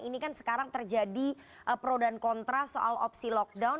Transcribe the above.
ini kan sekarang terjadi pro dan kontra soal opsi lockdown